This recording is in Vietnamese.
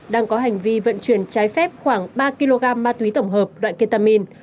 đang có hành vi vận chuyển trái phép khoảng ba kg ma túy tổng hợp loại ketamin